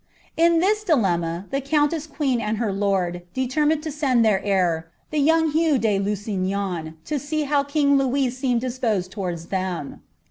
D this dilemma, the couniess queen and her lord determined to send Ir heir, Ibe young Hugh de Lusignan, to see how king Louis seemed , d inwards them.